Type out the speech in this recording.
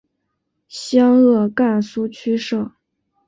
湘鄂赣苏区设。